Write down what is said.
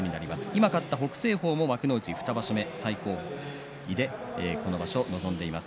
今勝った北青鵬も幕内２場所目最高位でこの場所に臨んでいます。